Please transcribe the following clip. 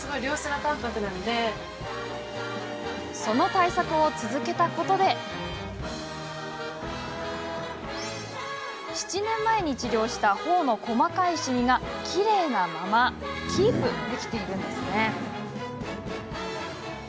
その対策を続けたことで７年前に治療したほおの細かいシミがきれいなままキープできているんです。